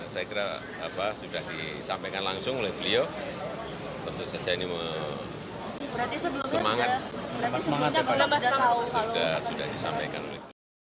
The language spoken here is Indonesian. saya kira sudah disampaikan langsung oleh beliau tentu saja ini semangat